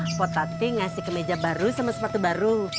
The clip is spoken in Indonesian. mbak tati ngasih kemeja baru sama sepatu baru